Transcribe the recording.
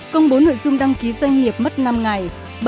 công bố nội dung đăng ký doanh nghiệp mất năm ngày